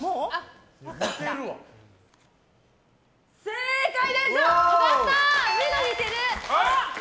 正解です！